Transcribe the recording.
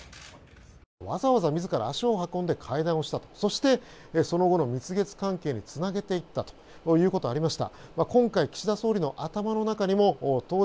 わざわざ自ら足を運んで会談をした、そしてその後の蜜月関係につなげていったことがありました。